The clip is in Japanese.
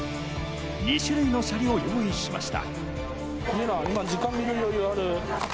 ２種類のシャリを用意しました。